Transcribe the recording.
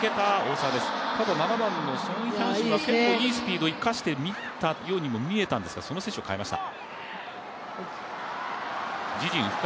ソン・ヒャンシムがいいスピードを生かしているようにも見えたんですがその選手を代えました。